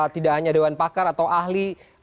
tidak hanya dewan pakar atau ahli